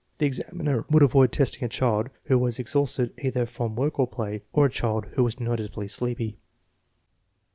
The examiner would avoid testing a child who was exhausted either from work or play, or a child who was noticeably sleepy.